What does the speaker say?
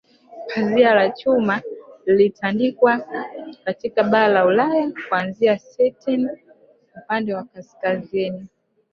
Pazia la Chuma lilitandikwa katika bara la Ulaya kuanzia Stettin upande wa kaskazini